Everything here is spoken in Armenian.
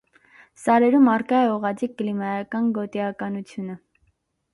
Սարերում առկա է ուղղաձիգ կլիմայական գոտիականությունը։